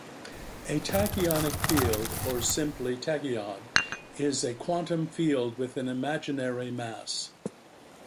A tachyonic field, or simply tachyon, is a quantum field with an imaginary mass.